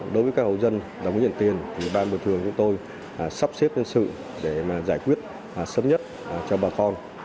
đối với các hộ dân đồng nhận tiền bàn bồi thường chúng tôi sắp xếp nhân sự để giải quyết sớm nhất cho bà con